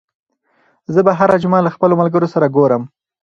زه به هره جمعه له خپلو ملګرو سره ګورم.